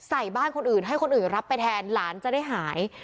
ใส่บ้านคนอื่นให้คนอื่นรับไปแทนหลานจะได้หาย